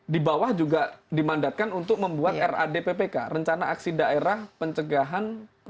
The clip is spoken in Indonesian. di bawah juga dimandatkan untuk membuat rad ppk rencana aksi daerah pencegahan korupsi